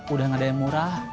udah gak ada yang murah